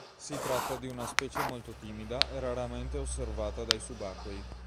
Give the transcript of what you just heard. Si tratta di una specie molto timida e raramente osservata dai subacquei.